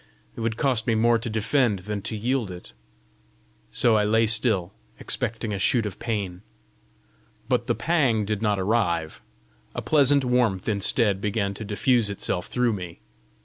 it would cost me more to defend than to yield it!" So I lay still, expecting a shoot of pain. But the pang did not arrive; a pleasant warmth instead began to diffuse itself through me.